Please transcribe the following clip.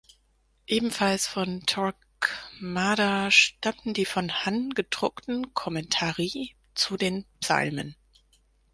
Ebenfalls von Torquemada stammten die von Han gedruckten "Commentarii" zu den Psalmen.